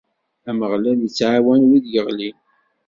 Ameɣlal ittɛawan wid yeɣlin.